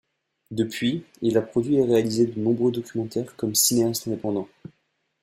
Depuis, il a produit et réalisé de nombreux documentaires comme cinéaste indépendant.